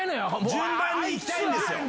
順番にいきたいんですよ。